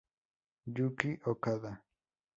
Yuki Okada